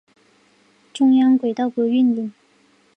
中央轨道不营运。